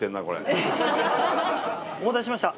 お待たせしました。